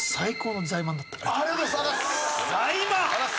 ありがとうございます！